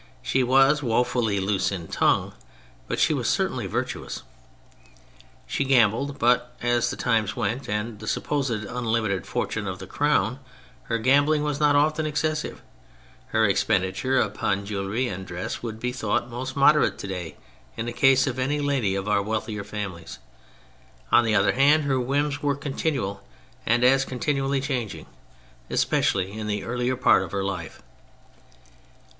She was woefully loose in tongue, but she was certainly virtuous. She gambled, but as the times went, and the supposed unlimited fortune of the Crown, her gambling was not often excessive ; her expenditure upon jewellery and dress would be thought most moderate to day in the case of any lady of our wealthier families. On the other hand, her whims were continual and as continually changing, especially in the earlier part of her life.